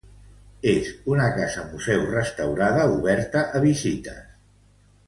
És una casa museu restaurada oberta a visites.